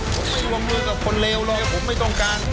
ผมไม่รวมมือกับคนเลวเลยผมไม่ต้องการ